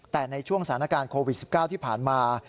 แต่ในช่วงสถานการณ์โควิด๑๙ที่ผ่านมา